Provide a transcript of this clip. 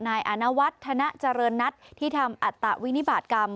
นายอานวัฒนาเจริญนัทที่ทำอัตตวินิบาตกรรม